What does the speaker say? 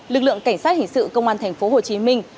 lực lượng cảnh sát hình sự công an thành phố hồ chí minh